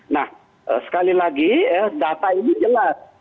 nah sekali lagi data ini jelas